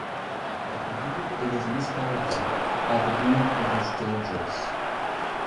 I believe it is misguided. I believe it is dangerous.